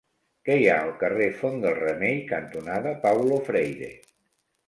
Què hi ha al carrer Font del Remei cantonada Paulo Freire?